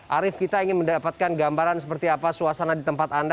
arief kita ingin mendapatkan gambaran seperti apa suasana di tempat anda